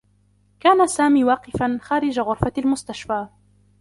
كان سامي واقفا خارج غرفة المستشفى.